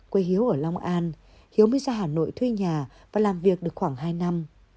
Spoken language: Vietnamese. quê hiếu ở long an hiếu mới ra hà nội thuê nhà và làm việc được khoảng hai năm